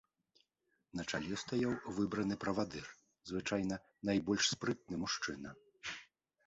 На чале стаяў выбраны правадыр, звычайна найбольш спрытны мужчына.